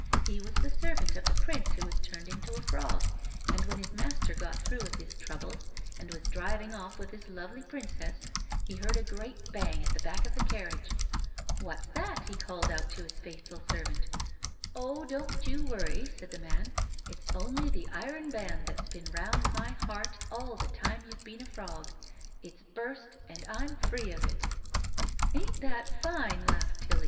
He was the servant of the prince who was turned into a frog, and when his master got through with his troubles and was driving off with his lovely princess, he heard a great bang at the back of the carriage. 'What's that?' he called CANTERBURY TALES 113 out to his faithful servant. ' Oh, don*t you worry/ said the man, ' it's only the iron band that's been round my heart all the time you've been a frog — it's burst and I'm free of it.' " "Ain't that fine?" laughed TUly.